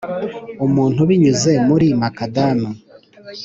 umuntu binyuze muri macadam.